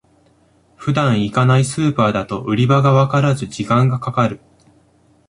普段行かないスーパーだと売り場がわからず時間がかかる